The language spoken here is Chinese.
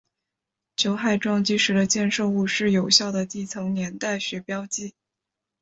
酒海撞击时的溅射物是有效的地层年代学标记。